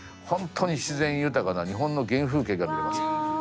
本当に自然豊かな日本の原風景が見れます。